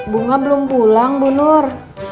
bunga belum pulang bu nur